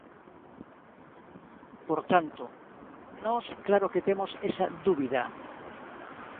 Por tanto, nós claro que temos esa dúbida.